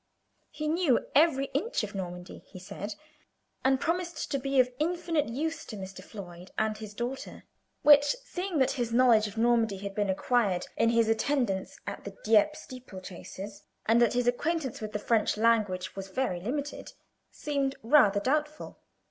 He knew every inch of Normandy, he said, and promised to be of infinite use to Mr. Floyd and his daughter; which, seeing that his knowledge of Normandy had been acquired in his attendance at the Dieppe steeple chases, and that his acquaintance with the French language was very limited, seemed rather doubtful.